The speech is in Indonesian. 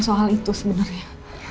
soal itu sebenernya